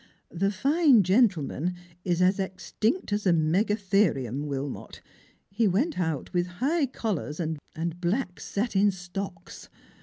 " The fine gentleman is as extinct as the megatherium, Wilmot ; he went out with high collars and black satin stocks.